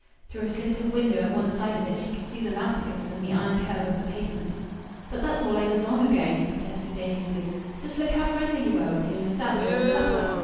Through a slit of window at one side of it she could see the lamp post and the iron kerb of the pavement. "But that's all over long ago," he protested amiably. "Just look how friendly you were with him yourself over supper!